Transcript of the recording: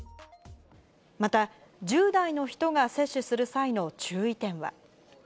また、１０代の人が接種する際の注意点は。